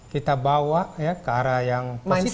kita bawa ke arah yang positif